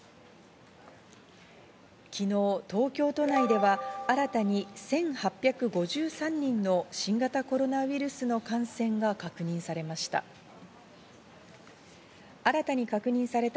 昨日、東京都内では新たに１８５３人の新型コロナウイルスの感染が確認されました。